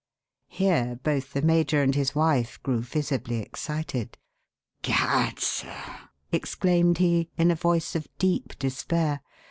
Here both the major and his wife grew visibly excited. "Gad, sir!" exclaimed he, in a voice of deep despair.